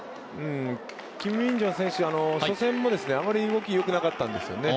キム・ミンジョン選手初戦もあまり動きがよくなかったんですよね。